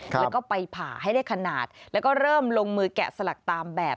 แล้วก็ไปผ่าให้ได้ขนาดแล้วก็เริ่มลงมือแกะสลักตามแบบ